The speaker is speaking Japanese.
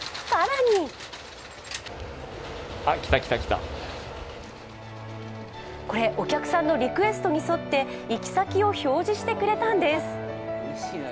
更にこれ、お客さんのリクエストに沿って、行き先を表示してくれたんです。